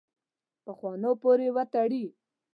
پخوانو پورې وتړي.